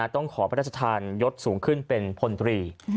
ต้องขอพระราชทานยศสูงขึ้นเป็นพลตรี